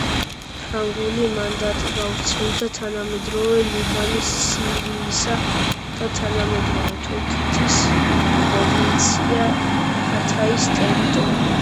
ფრანგული მანდატი გავრცელდა თანამედროვე ლიბანის, სირიისა და თანამედროვე თურქეთის პროვინცია ჰათაის ტერიტორიაზე.